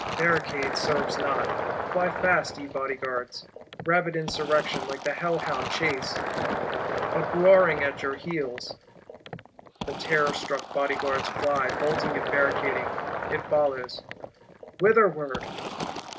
Barricading serves not: fly fast, ye Bodyguards; rabid Insurrection, like the hellhound Chase, uproaring at your heels! The terrorstruck Bodyguards fly, bolting and barricading; it follows. Whitherward?